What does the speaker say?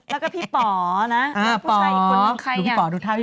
แล้วก็พี่ป๋อนะผู้ชายอีกคนนึง